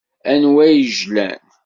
Anwa i yejlan?